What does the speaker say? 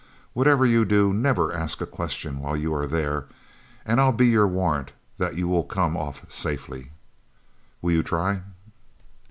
Whatever you do, never ask a question while you are there and I'll be your warrant that you will come off safely. Will you try?"